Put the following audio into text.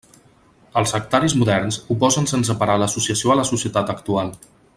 Els sectaris moderns oposen sense parar l'associació a la societat actual.